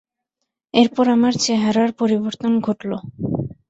এরপর আমার চেহারার পরিবর্তন ঘটল।